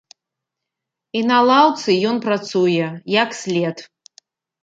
І на лаўцы ён працуе, як след.